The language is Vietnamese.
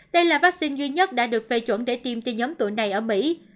đây là vaccine duy nhất đã được phê chuẩn để tiêm cho nhóm tuổi này ở mỹ